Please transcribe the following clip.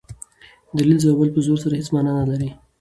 دلیل ځوابول په زور سره هيڅ مانا نه لري.